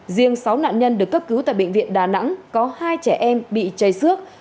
riêng sáu nạn nhân được cấp cứu tại bệnh viện đà nẵng có hai trẻ em bị chảy xước